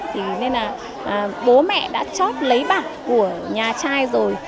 thì nên là bố mẹ đã chót lấy bảng của nhà trai rồi